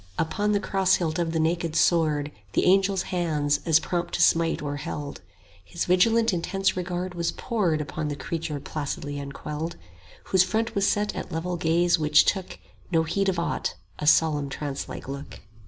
Upon the cross hilt of the naked sword The angel's hands, as prompt to smite, were held; His vigilant intense regard was poured 15 Upon the creature placidly unquelled, Whose front was set at level gaze which took No heed of aught, a solemn trance like look.